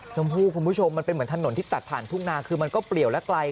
ชมพู่คุณผู้ชมมันเป็นเหมือนถนนที่ตัดผ่านทุ่งนาคือมันก็เปลี่ยวและไกล